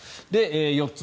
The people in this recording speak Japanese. ４つ目